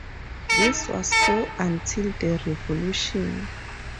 This was so until the Revolution.